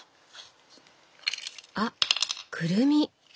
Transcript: あっくるみ！